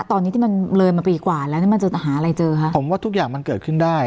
ตอนนี้ที่มันเลยมาปีกว่าแล้วนี่มันจะหาอะไรเจอคะผมว่าทุกอย่างมันเกิดขึ้นได้